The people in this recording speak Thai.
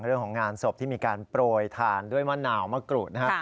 เรื่องของงานศพที่มีการโปรยทานด้วยมะนาวมะกรูดนะครับ